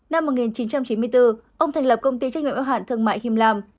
năm một nghìn chín trăm chín mươi bốn ông thành lập công ty trách nhiệm ưu hạn thương mại hiêm lam